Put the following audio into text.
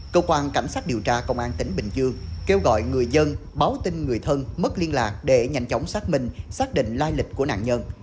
cơ quan cảnh sát điều tra công an tỉnh bình dương kêu gọi người dân báo tin người thân mất liên lạc để nhanh chóng xác minh xác định lai lịch của nạn nhân